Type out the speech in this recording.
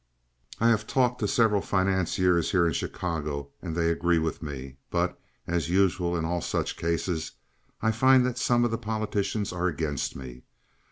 I have talked to several financiers here in Chicago, and they agree with me; but, as is usual in all such cases, I find that some of the politicians are against me.